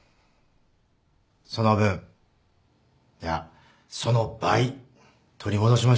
その分いやその倍取り戻しましょう